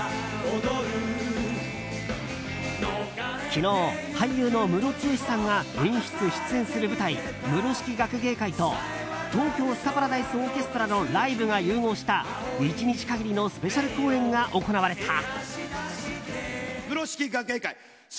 昨日、俳優のムロツヨシさんが演出・出演する舞台「ｍｕｒｏ式．がくげいかい」と東京スカパラダイスオーケストラのライブが融合した１日限りのスペシャル公演が行われた。